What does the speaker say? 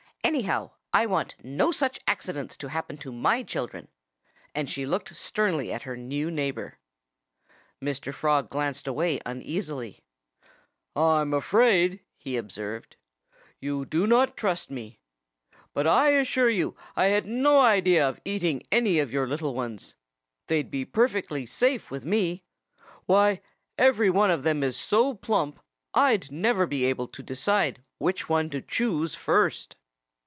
"Anyhow, I want no such accidents to happen to my children." And she looked sternly at her new neighbor. Mr. Frog glanced away uneasily. "I'm afraid," he observed, "you do not trust me. But I assure you I had no idea of eating any of your little ones. They'd be perfectly safe with me. Why, every one of them is so plump I'd never be able to decide which one to choose first!"